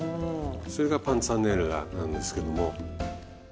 それがパンツァネッラなんですけども。